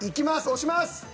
押します。